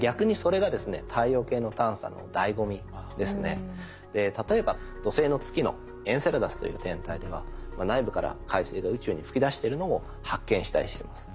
逆に例えば土星の月のエンセラダスという天体では内部から海水が宇宙に噴き出してるのも発見したりしてます。